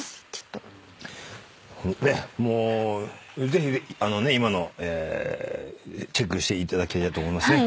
ぜひ今のチェックしていただきたいなと思いますね。